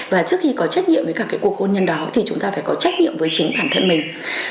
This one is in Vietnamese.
và trước khi có trách nhiệm với cả cái cuộc hôn nhân đó thì chúng ta phải có trách nhiệm với chính bản thân mình